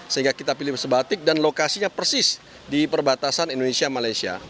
sehingga kita pilih sebatik dan lokasinya persis di perbatasan indonesia malaysia